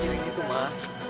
biar papa yang urus